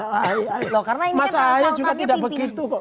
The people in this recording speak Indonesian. karena ini mas aya juga tidak begitu